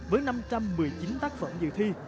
với năm trăm một mươi chín tác phẩm dự thi